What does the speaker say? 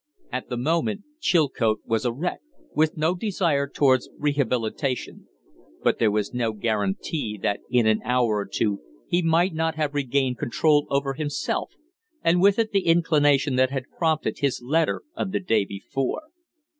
At the moment Chilcote was a wreck, with no desire towards rehabilitation; but there was no guarantee that in an hour or two he might not have regained control over himself, and with it the inclination that had prompted his letter of the day before.